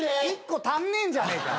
１個足んねえんじゃねえか！